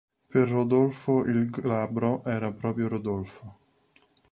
Per Rodolfo il Glabro era proprio Rodolfo.